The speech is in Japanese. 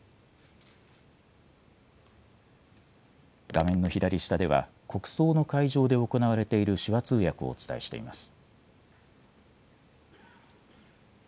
画面の左下では、国葬の会場で行われている手話通訳をお伝えしています。